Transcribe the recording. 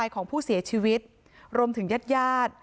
ของผู้เสียชีวิตรวมถึงยาด